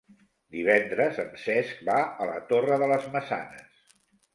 Divendres en Cesc va a la Torre de les Maçanes.